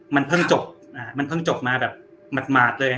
มันเพิ่งจบมันเพิ่งจบมาแบบหมาดเลย